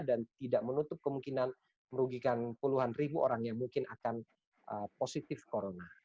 dan tidak menutup kemungkinan merugikan puluhan ribu orang yang mungkin akan positif corona